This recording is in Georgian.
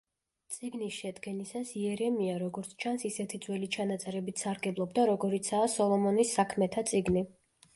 წიგნის შედგენისას იერემია, როგორც ჩანს, ისეთი ძველი ჩანაწერებით სარგებლობდა, როგორიცაა „სოლომონის საქმეთა წიგნი“.